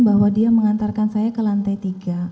bahwa dia mengantarkan saya ke lantai tiga